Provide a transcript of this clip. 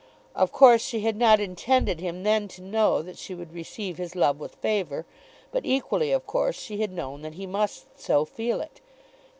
Of course she had not intended him then to know that she would receive his love with favour; but equally of course she had known that he must so feel it.